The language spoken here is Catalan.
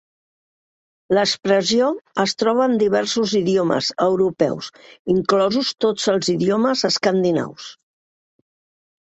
L'expressió es troba en diversos idiomes europeus, inclosos tots els idiomes escandinaus.